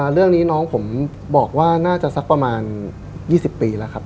เรื่องนี้น้องผมบอกว่าน่าจะสักประมาณ๒๐ปีแล้วครับ